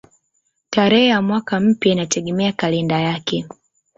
Tarehe ya mwaka mpya inategemea kalenda yake.